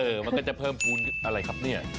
มันก็จะเพิ่มภูมิอะไรครับเนี่ย